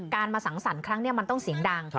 การมาสังสรรคลั้งเนี่ยมันต้องเสียงดัง